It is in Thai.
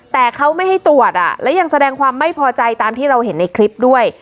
แต่เขาไม่ให้ตรวจและยังแสดงความไม่พอใจตามที่เราเห็นในคลิปด้วย